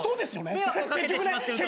迷惑をかけてしまっていると。